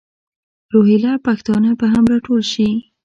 روهیله پښتانه به هم را ټول شي.